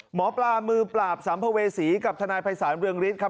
หมอปลามือปราบสามเภาเวศีและฐานายภัยสารเริ่มฤทธิ์ครับ